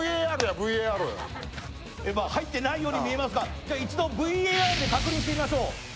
今、入ってないように見えますが一度、ＶＡＲで確認してみましょう。